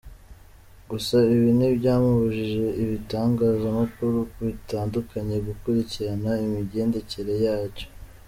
Gusa ibi ntibyabujije ibitangazamakuru bitandukanye gukurikirana imigendekere yacyo.